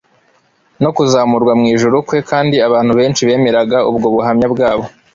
no kuzamurwa mu ijuru kwe, kandi abantu benshi bemeraga ubwo buhamya bwabo.